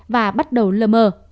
và bắt đầu lơ mơ